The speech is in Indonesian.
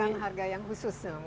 dapatkan harga yang khusus